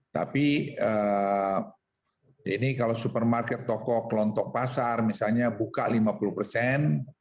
tapi ini kalau supermarket toko kelontok pasar misalnya buka lima puluh persen